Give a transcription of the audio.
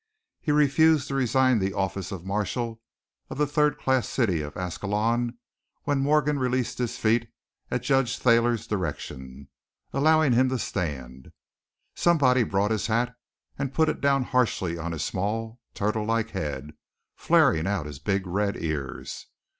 He refused to resign the office of marshal of the third class city of Ascalon when Morgan released his feet at Judge Thayer's direction, allowing him to stand. Somebody brought his hat and put it down harshly on his small, turtle like head, flaring out his big red ears.